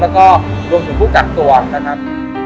แล้วก็รวมถึงผู้กักตัวนะครับ